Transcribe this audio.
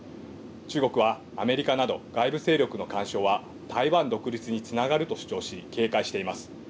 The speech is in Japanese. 中国はアメリカなど、外部勢力の干渉は、台湾独立につながると主張し警戒しています。